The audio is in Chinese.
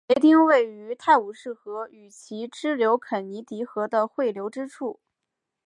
雷丁位于泰晤士河与其支流肯尼迪河的汇流之处。